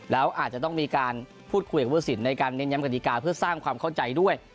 แล้วอาจจะต้องมีการพูดคุยกับผู้สินในการเน้นย้ำกฎิกาเพื่อสร้างความเข้าใจด้วย